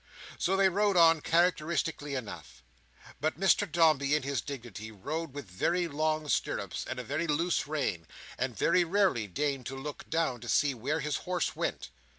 So they rode on characteristically enough. But Mr Dombey, in his dignity, rode with very long stirrups, and a very loose rein, and very rarely deigned to look down to see where his horse went.